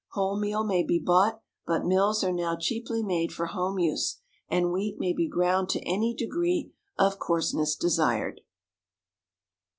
Whole meal may be bought; but mills are now cheaply made for home use, and wheat may be ground to any degree of coarseness desired."